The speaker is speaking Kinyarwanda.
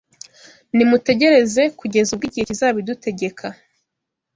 Nimutegereze kugeza ubwo igihe kizabidutegeka